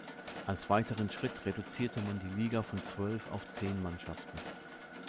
Als weiteren Schritt reduzierte man die Liga von zwölf auf zehn Mannschaften.